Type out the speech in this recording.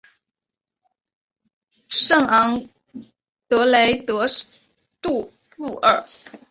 圣昂德雷德杜布尔。